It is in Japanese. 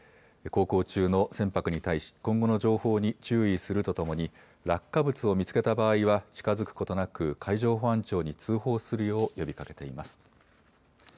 航行中の船舶に対し、今後の情報に注意するとともに、落下物を見つけた場合は、近づくことなく、海上保安庁に通報するよう呼びかけています。